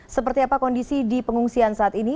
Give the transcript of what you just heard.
seperti apa kondisi di pengungsian saat ini